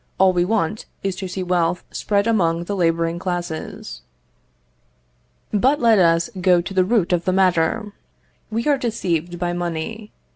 All we want is to see wealth spread among the labouring classes." But let us go to the root of the matter. We are deceived by money.